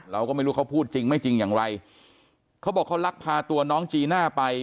เราก็ไม่รู้เขาพูดจริงไม่จริงอย่างไรเขาบอกเขาลักพาตัวน้องจีน่าไป